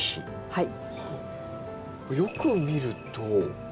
はい。